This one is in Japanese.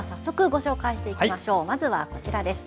まずはこちらです。